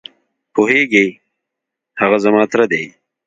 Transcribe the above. پوهېږې؟ هغه زما تره دی.